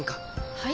はい？